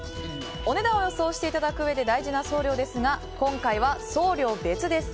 お値段を予想していただくうえで大事な送料ですが今回は送料別です。